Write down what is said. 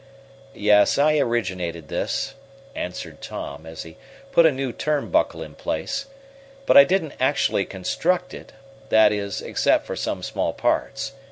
"Yes, I originated this," answered Tom, as he put a new turn buckle in place; "but I didn't actually construct it that is, except for some small parts.